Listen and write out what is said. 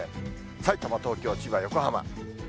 さいたま、東京、千葉、横浜。